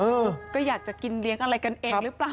ก็อยากจะกินเลี้ยงอะไรกันเองหรือเปล่า